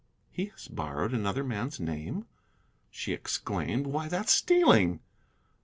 "He has borrowed another man's name!" she exclaimed; "why, that's stealing!"